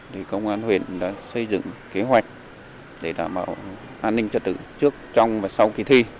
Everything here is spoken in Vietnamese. thì công an huyện đã xây dựng kế hoạch để đảm bảo an ninh trật tự trước trong và sau kỳ thi